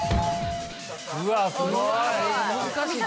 うわっすごい！